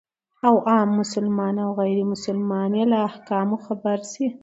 او عام مسلمانان او غير مسلمانان يې له احکامو خبر سي،